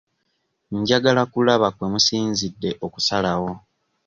Njagala kulaba kwe musinzidde okusalawo.